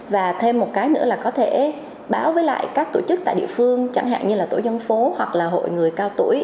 và thêm một cái nữa là có thể báo với lại các tổ chức tại địa phương chẳng hạn như là tổ dân phố hoặc là hội người cao tuổi